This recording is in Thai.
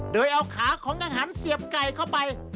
โดยเอาขาของอาหารเสียบไก่เข้าไป